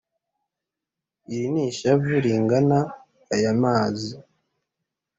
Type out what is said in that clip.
iri ni ishavu ringana aya mazi,